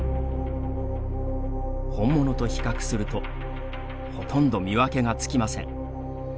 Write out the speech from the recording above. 本物と比較するとほとんど見分けがつきません。